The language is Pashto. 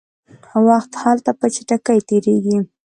وخت هلته په چټکۍ تیریږي.